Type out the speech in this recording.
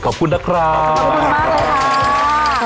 ขอบคุณนะครับขอบคุณมากเลยค่ะ